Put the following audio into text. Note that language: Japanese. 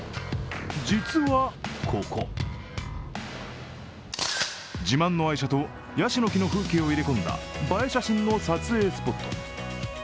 実はここ自慢の愛車とヤシの木の風景を入れ込んだ映え写真の撮影スポット。